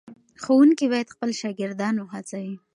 ښوونکي باید خپل شاګردان وهڅوي.